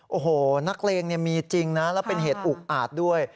โอ้โหนักเลงมีจริงนะแล้วเป็นเหตุอุกอาจด้วย